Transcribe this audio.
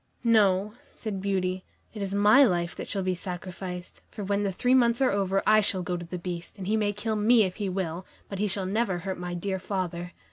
"No," said Beauty, "it is my life that shall be sacrificed, for when the three months are over, I shall go to the Beast, and he may kill me if he will, but he shall never hurt my dear father."